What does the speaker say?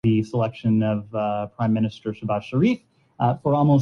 کو حتمی شکست سے دوچار کرنا ہے۔